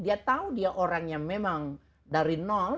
dia tahu dia orangnya memang dari nol